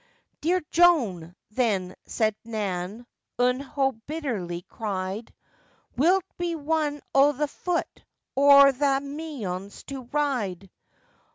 'Dear Jone,' then said Nan, un hoo bitterly cried, Wilt be one o' th' foote, or tha meons to ride?